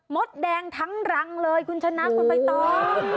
ดแดงทั้งรังเลยคุณชนะคุณใบตอง